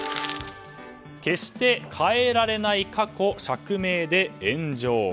決して変えられない過去釈明で炎上。